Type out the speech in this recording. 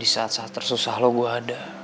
saat saat tersusah lo gue ada